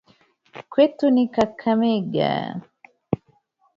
Kwetu ni kakamega